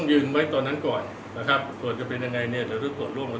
เดี๋ยวบิดพลาดเลยเพราะว่าขอให้น่ะเราลงพึ่งที่ก่อนแล้วเดี๋ยวเราจะจริกให้